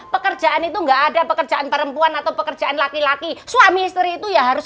pekerjaan itu enggak ada pekerjaan perempuan atau pekerjaan laki laki suami istri itu ya harus